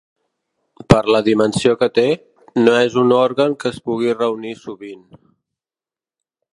Per la dimensió que té, no és un òrgan que es pugui reunir sovint.